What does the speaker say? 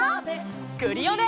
クリオネ！